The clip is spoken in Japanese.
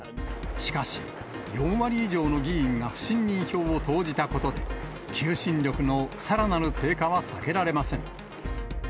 しかし、４割以上の議員が不信任票を投じたことで、求心力のさらなる低下は避けられません。